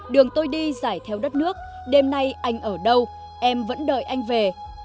đường tôi đi giải theo đất nước đêm nay anh ở đâu em vẫn đợi anh về